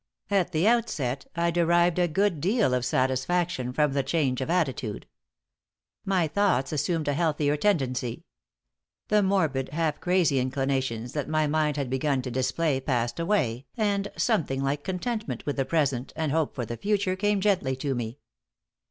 At the outset, I derived a good deal of satisfaction from the change of attitude. My thoughts assumed a healthier tendency. The morbid, half crazy inclinations that my mind had begun to display passed away and something like contentment with the present and hope for the future came gently to me.